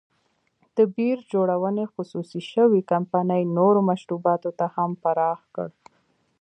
د بیر جوړونې خصوصي شوې کمپنۍ نورو مشروباتو ته هم پراخ کړ.